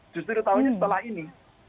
justru ketahuinya setelah ini